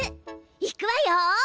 いくわよ。